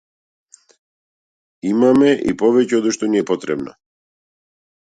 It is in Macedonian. Имаме и повеќе одошто ни е потребно.